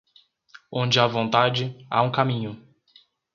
Onde há vontade, há um caminho.